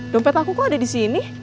dompet aku kok ada di sini